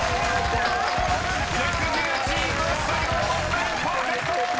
［月１０チーム最後の問題パーフェクト！］